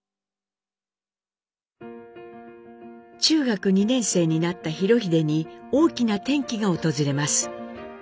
中学２年生になった裕英に大きな転機が訪れます。